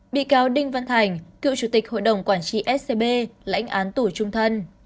bị cáo đinh văn thành cựu chủ tịch hội đồng quản trị scb lãnh án tù trung thân